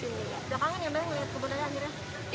udah kangen ya melihat kebun raya akhirnya